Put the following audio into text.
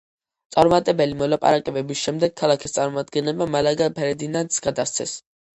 წარუმატებელი მოლაპარაკებების შემდეგ ქალაქის წარმომადგენლებმა მალაგა ფერდინანდს გადასცეს.